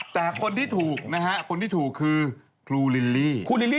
แต่คนที่ถูกคือครูลิลลี่